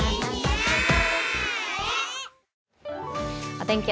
お天気